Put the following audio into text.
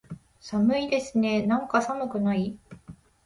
寒いですねーなんか、寒くない？